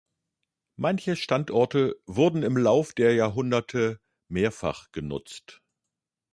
Manche Standorte wurden im Lauf der Jahrhunderte mehrfach genutzt.